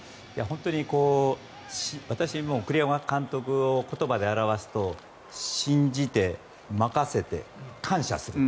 私も栗山監督を言葉で表すと信じて、任せて、感謝する